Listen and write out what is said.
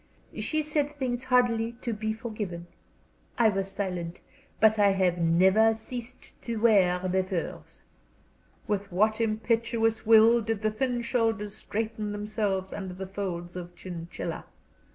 She said things hardly to be forgiven. I was silent. But I have never ceased to wear the furs." With what imperious will did the thin shoulders straighten themselves under the folds of chinchilla!